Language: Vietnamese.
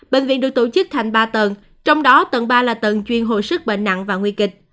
bệnh viện được tổ chức thành ba tầng trong đó tầng ba là tầng chuyên hồi sức bệnh nặng và nguy kịch